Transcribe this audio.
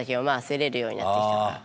まあ競れるようになってきたから。